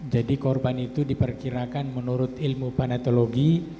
jadi korban itu diperkirakan menurut ilmu tanatologi